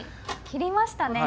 切りましたね。